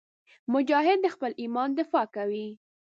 مجاهد د خپل ایمان دفاع کوي.